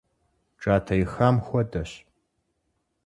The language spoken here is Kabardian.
Джатэ ихам хуэдэщ.